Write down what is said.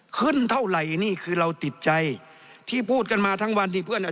ขึ้นเท่าไหร่นี่คือเราติดใจที่พูดกันมาทั้งวันที่เพื่อนอ่ะ